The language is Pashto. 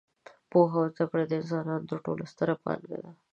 پوهه او زده کړه د انسانانو تر ټولو ستره پانګه ده.